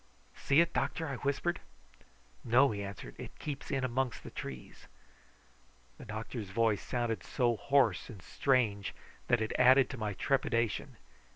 "See it, doctor?" I whispered. "No," he answered; "it keeps in amongst the trees." The doctor's voice sounded so hoarse and strange that it added to my trepidation.